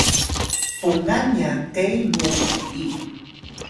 pungan nya ke mu uyi